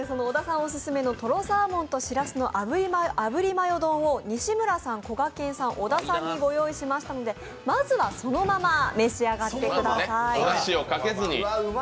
オススメのとろサーモンとしらすの炙りマヨ丼を西村さん、こがけんさん、小田さんにご用意しましたので、まずはそのまま召し上がってください。